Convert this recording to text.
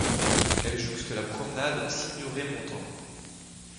Elle jouxte la promenade Signoret-Montand.